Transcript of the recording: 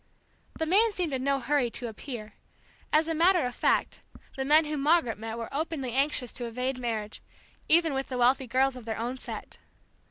The man seemed in no hurry to appear; as a matter of fact, the men whom Margaret met were openly anxious to evade marriage, even with the wealthy girls of their own set.